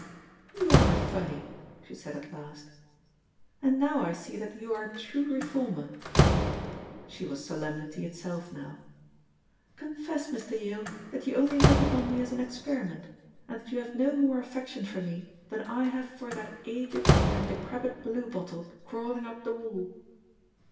"You are funny," she said at last, "and now I see that you are a true reformer." She was solemnity itself now. "Confess, Mr. Yale, that you only look upon me as an experiment, and that you have no more affection for me than I have for that aged and decrepit blue bottle crawling up the wall."